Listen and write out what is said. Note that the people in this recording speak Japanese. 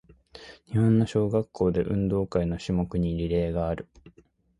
日本の小学校で、運動会の種目にリレーがある。